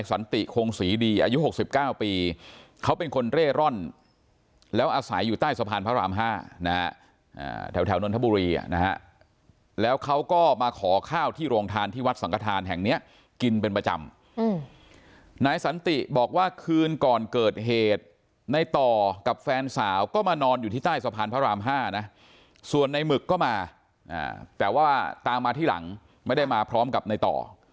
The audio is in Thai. สีดีอายุหกสิบเก้าปีเขาเป็นคนเร่ร่อนแล้วอาศัยอยู่ใต้สะพานพระรามห้านะฮะอ่าแถวแถวน้นทบุรีอะนะฮะแล้วเขาก็มาขอข้าวที่โรงทานที่วัดสังกฐานแห่งเนี้ยกินเป็นประจำอืมนายสันติบอกว่าคืนก่อนเกิดเหตุในต่อกับแฟนสาวก็มานอนอยู่ที่ใต้สะพานพระรามห้านะส่วนในหมึกก็มาอ่าแต่ว่าตามมาท